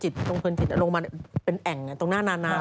ตรงเพลินจิตลงมาเป็นแอ่งตรงหน้านาน